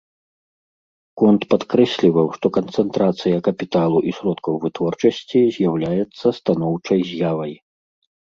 Конт падкрэсліваў, што канцэнтрацыя капіталу і сродкаў вытворчасці з'яўляецца станоўчай з'явай.